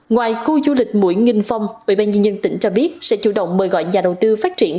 ngoài khu du lịch mũi nghìn phòng bệnh viên nhân tỉnh cho biết sẽ chủ động mời gọi nhà đầu tư phát triển